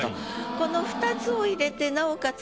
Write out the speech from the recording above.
この２つを入れてなおかつ